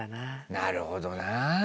なるほどなあ。